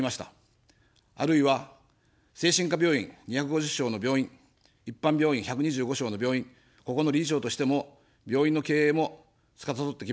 あるいは、精神科病院２５０床の病院、一般病院１２５床の病院、ここの理事長としても病院の経営もつかさどってきました。